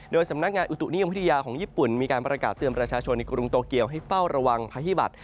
โดยสำนักงานอุตุนิยมวิทยาของญี่ปุ่นมีการประกาศเตือนประชาชนในกรุงโตเกียวให้เฝ้าระวังพระฮิบัตร